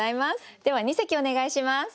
では二席お願いします。